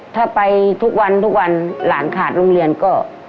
ถ้าไปทุกวันหลานขาดโรงเรียนก็